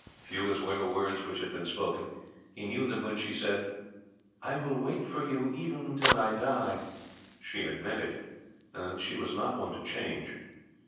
Few as were the words which had been spoken, he knew that when she said, "I will wait for you even till I die," she had meant it, and that she was not one to change.